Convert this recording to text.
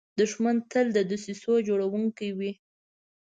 دښمن تل د دسیسو جوړونکی وي